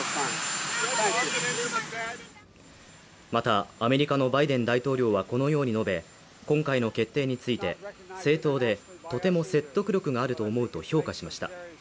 また、アメリカのバイデン大統領はこのように述べ、今回の決定について正当でとても説得力があると思うと評価しました。